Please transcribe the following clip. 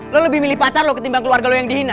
lu lebih milih pacar lu ketimbang keluarga lu yang dihina